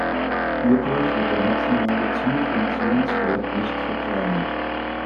Hierdurch wird der maximale Zielfunktionswert nicht verkleinert.